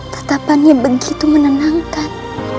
tatapannya begitu menenangkan